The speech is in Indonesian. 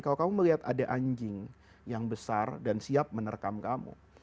kalau kamu melihat ada anjing yang besar dan siap menerkam kamu